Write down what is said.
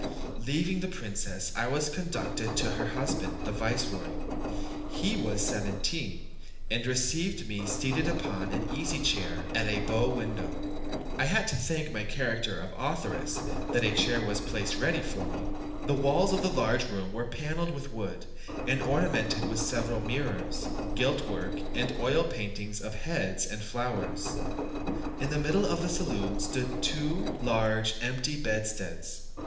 Leaving the princess, I was conducted to her husband, the viceroy. He was seventeen, and received me seated upon an easy chair at a bow window. I had to thank my character of authoress, that a chair was placed ready for me. The walls of the large room were panelled with wood, and ornamented with several mirrors, gilt work, and oil paintings of heads and flowers. In the middle of the saloon stood two large empty bedsteads.